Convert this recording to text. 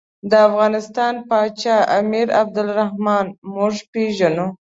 د افغانستان پاچا امیر عبدالرحمن موږ پېژنو.